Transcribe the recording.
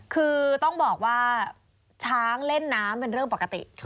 คือต้องบอกว่าช้างเล่นน้ำเป็นเรื่องปกติ